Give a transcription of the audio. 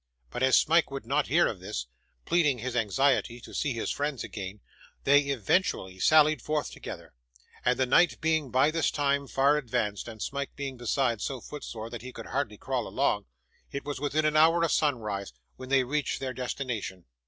But, as Smike would not hear of this pleading his anxiety to see his friends again they eventually sallied forth together; and the night being, by this time, far advanced, and Smike being, besides, so footsore that he could hardly crawl along, it was within an hour of sunrise when they reached their destination.